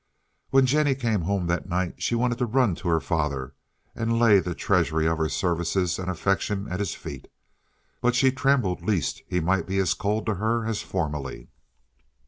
When Jennie came home that night she wanted to run to her father and lay the treasury of her services and affection at his feet, but she trembled lest he might be as cold to her as formerly.